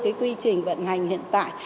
cái quy trình vận hành hiện tại